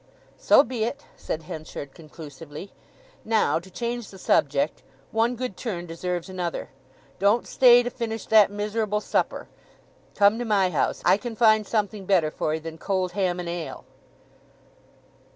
"So be it!" said Henchard conclusively. "Now—to change the subject—one good turn deserves another; don't stay to finish that miserable supper. Come to my house, I can find something better for 'ee than cold ham and ale."